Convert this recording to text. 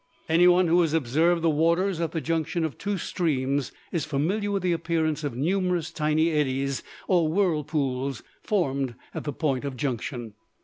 Any one who has observed the waters at the junction of two streams, is familiar with the appearance of numerous tiny eddies or whirlpools formed at the point of junction.